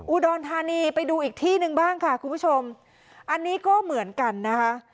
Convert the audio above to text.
อุดรธานีไปดูอีกที่หนึ่งบ้างค่ะคุณผู้ชมอันนี้ก็เหมือนกันนะคะ